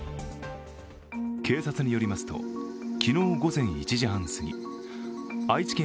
警察によりますと、昨日午前１時半すぎ愛知県